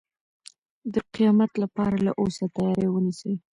د قیامت لپاره له اوسه تیاری ونیسئ.